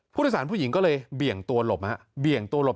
ผู้โดยสารผู้หญิงก็เลยเบี่ยงตัวหลบเบี่ยงตัวหลบ